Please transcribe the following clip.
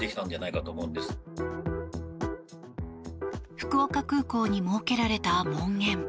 福岡空港に設けられた門限。